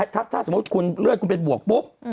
ถ้าสมมุติคุณเลือดคุณเป็นบวกปุ๊บ